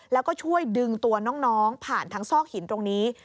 แล้วก็ช่วยดึงตัวน้องผ่านทางซอกหินตรงนี้